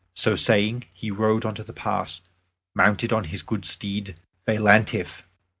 So saying, he rode on to the pass, mounted on his good steed Veillantif.